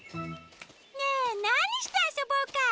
ねえなにしてあそぼうか！